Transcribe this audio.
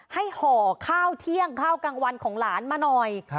ห่อข้าวเที่ยงข้าวกลางวันของหลานมาหน่อย